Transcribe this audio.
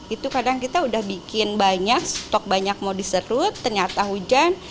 itu kadang kita udah bikin banyak stok banyak mau diserut ternyata hujan